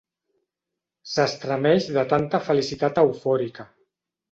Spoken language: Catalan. S'estremeix de tanta felicitat eufòrica.